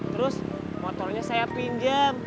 terus motornya saya pinjem